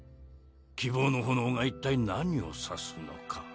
希望の炎が一体何を指すのか